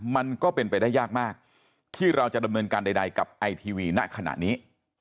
มันก็เป็นไปได้ยากมากที่เราจะดำเนินการใดกับไอทีวีณขณะนี้